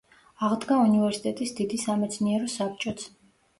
აღდგა უნივერსიტეტის დიდი სამეცნიერო საბჭოც.